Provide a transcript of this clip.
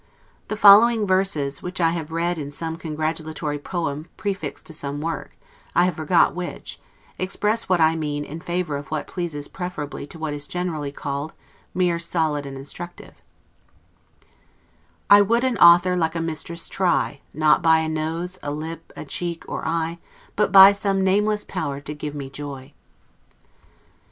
The following verses, which I have read in some congratulatory poem prefixed to some work, I have forgot which, express what I mean in favor of what pleases preferably to what is generally called mare solid and instructive: "I would an author like a mistress try, Not by a nose, a lip, a cheek, or eye, But by some nameless power to give me joy."